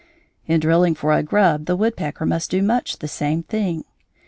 In drilling for a grub the woodpecker must do much the same thing.